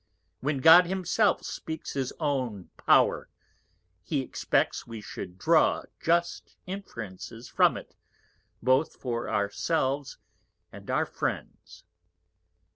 when God himself speaks his own Power, he expects we should draw just Inferences from it, both for our Selves and our Friends.